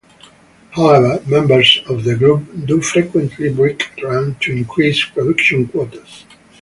However, members of the group do frequently break rank to increase production quotas.